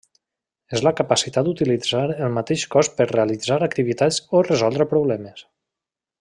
És la capacitat d'utilitzar el mateix cos per realitzar activitats o resoldre problemes.